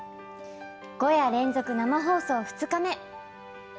５夜連続生放送、２日目。